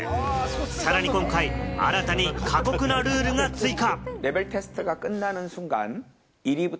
さらに今回、新たに過酷なルールが追加。